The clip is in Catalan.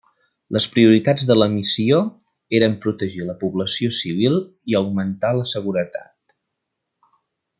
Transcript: Les prioritats de la missió eren protegir la població civil i augmentar la seguretat.